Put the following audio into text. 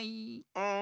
うん。